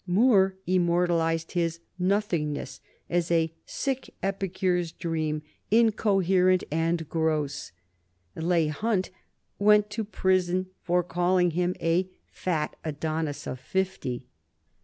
Moore immortalized his "nothingness" as a "sick epicure's dream, incoherent and gross." Leigh Hunt went to prison for calling him a "fat Adonis of fifty."